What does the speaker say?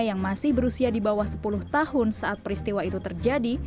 yang masih berusia di bawah sepuluh tahun saat peristiwa itu terjadi